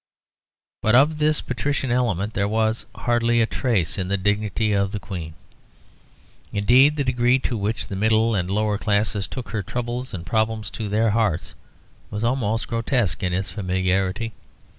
But of this patrician element there was hardly a trace in the dignity of the Queen. Indeed, the degree to which the middle and lower classes took her troubles and problems to their hearts was almost grotesque in its familiarity.